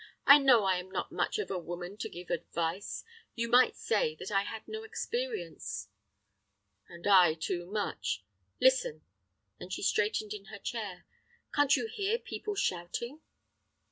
I know I am not much of a woman to give advice. You might say that I had no experience." "And I too much! Listen," and she straightened in her chair, "can't you hear people shouting?"